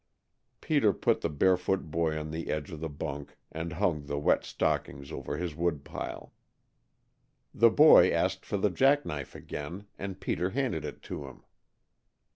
Peter put the barefoot boy on the edge of the bunk and hung the wet stockings over his woodpile. The boy asked for the jack knife again, and Peter handed it to him.